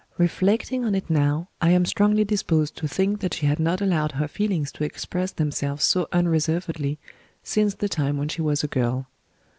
Reflecting on it now, I am strongly disposed to think that she had not allowed her feelings to express themselves so unreservedly, since the time when she was a girl.